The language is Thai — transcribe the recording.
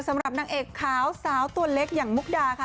สำหรับนางเอกขาวสาวตัวเล็กอย่างมุกดาค่ะ